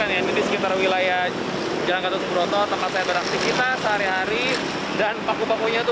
ini sekitar wilayah jalan gatot semprotor tempat saya beraktif kita sehari hari dan paku pakunya